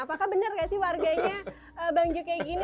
apakah benar nggak sih warganya bang ju kayak gini